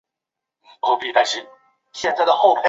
后担任郑州市纺织工业局局长。